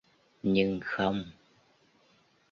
Nhưng không